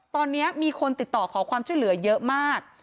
ตอนนี้มีคนติดต่อขอความช่วยเหลือเยอะมาก